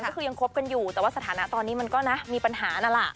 ก็คือยังคบกันอยู่แต่ว่าสถานะตอนนี้มันก็นะมีปัญหานั่นแหละ